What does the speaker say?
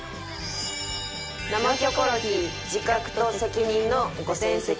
「生キョコロヒー自覚と責任の５０００席」。